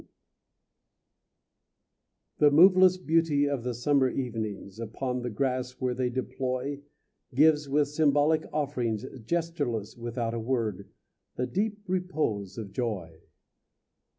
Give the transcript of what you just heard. XXVIII The moveless beauty Of the summer evenings, Upon the grass where they deploy, Gives with symbolic offerings, Gestureless, without a word, The deep repose of joy.